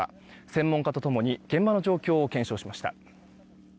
専門家と共に現場の状況を検証しました。